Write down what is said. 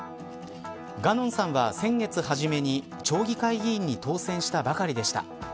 ガノンさんは先月初めに町議会議員に当選したばかりでした。